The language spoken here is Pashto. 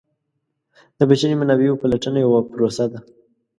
د بشري منابعو پلټنه یوه پروسه ده.